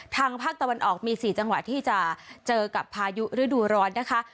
ทางภาคตะวันออกมี๔จังหวัดที่จะเจอกับพายุฤดูร้อนนะคะ